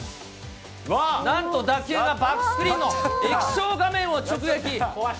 なんと打球がバックスクリーンの液晶画面を直撃。